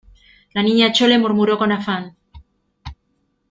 la Niña Chole murmuró con afán: